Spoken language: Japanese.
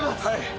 はい。